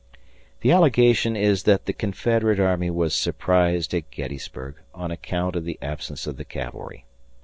The allegation is that the Confederate army was surprised at Gettysburg on account of the absence of the cavalry.